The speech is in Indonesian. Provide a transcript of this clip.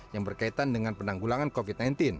yang berkaitan dengan penanggulangan covid sembilan belas